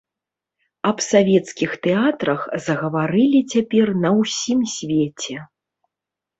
Аб савецкіх тэатрах загаварылі цяпер на ўсім свеце.